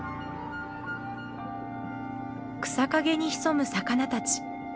草陰に潜む魚たち。